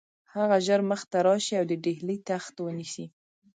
هغه ژر مخته راشي او د ډهلي تخت ونیسي.